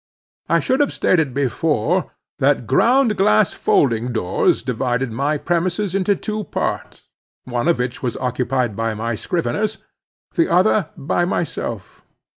I should have stated before that ground glass folding doors divided my premises into two parts, one of which was occupied by my scriveners, the other by myself.